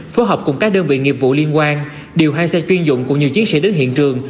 phối hợp cùng các đơn vị nghiệp vụ liên quan điều hai xe chuyên dụng cùng nhiều chiến sĩ đến hiện trường